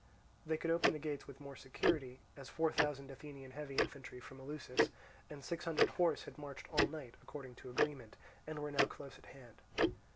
They could open the gates with more security, as four thousand Athenian heavy infantry from Eleusis, and six hundred horse, had marched all night, according to agreement, and were now close at hand.